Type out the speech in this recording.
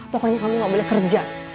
pokoknya kamu gak boleh kerja